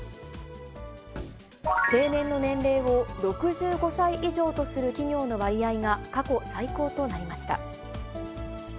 定年の年齢を６５歳以上とする企業の割合が、過去最高となりました。